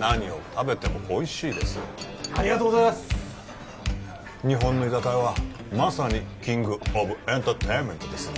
何を食べてもおいしいですありがとうございます日本の居酒屋はまさにキングオブエンターテインメントですね